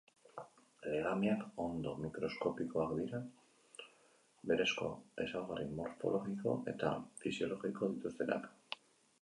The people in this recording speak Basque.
Legamiak onddo mikroskopikoak dira, berezko ezaugarri morfologiko eta fisiologiko dituztenak.